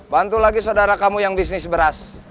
bantu lagi saudara kamu yang bisnis beras